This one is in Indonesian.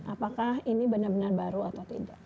apakah ini benar benar baru atau tidak